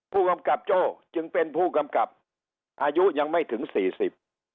ผู้กำกับโจ้จึงเป็นผู้กำกับอายุยังไม่ถึงสี่สิบ